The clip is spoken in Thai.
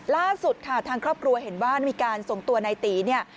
ล่าสุดค่ะทางครอบครัวเห็นว่ามีการส่งตัวนายตีเนี่ย